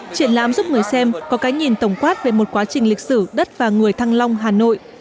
triển lãm giúp người xem có cái nhìn tổng quát về một quá trình lịch sử đất và người thăng long hà nội